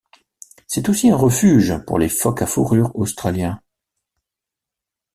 C'est aussi un refuge pour les phoques à fourrure australiens.